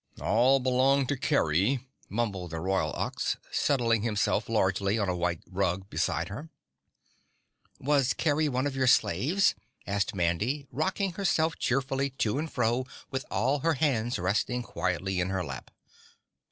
"All belonged to Kerry," mumbled the Royal Ox, settling himself largely on a white rug beside her. "Was Kerry one of your slaves?" asked Mandy, rocking herself cheerfully to and fro with all her hands resting quietly in her lap.